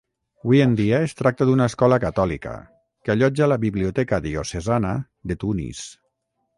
Hui en dia es tracta d'una escola catòlica, que allotja la biblioteca diocesana de Tunis.